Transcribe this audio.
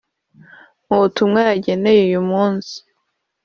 Mu butumwa yageneye uyu munsi